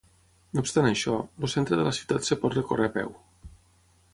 No obstant això, el centre de la ciutat es pot recórrer a peu.